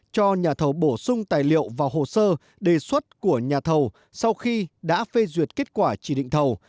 cho nhà thầu bổ sung tài liệu và hồ sơ đề xuất của nhà thầu sau khi đã phê duyệt kết quả chỉ định thầu